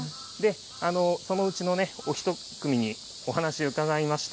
そのうちのお１組にお話伺いました。